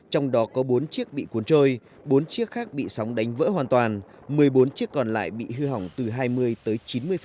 trong đó có bốn chiếc bị cuốn trôi bốn chiếc khác bị sóng đánh vỡ hoàn toàn một mươi bốn chiếc còn lại bị hư hỏng từ hai mươi tới chín mươi